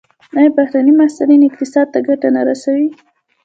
آیا بهرني محصلین اقتصاد ته ګټه نه رسوي؟